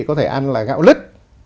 có thể ăn là gạo lứt